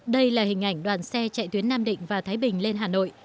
đây là hình ảnh đoàn xe chạy tuyến nam định và thái bình lên hà nội